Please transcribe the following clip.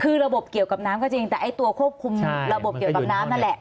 คือระบบเกี่ยวกับน้ำก็จริงแต่ไอ้ตัวควบคุมระบบเกี่ยวกับน้ำนั่นแหละ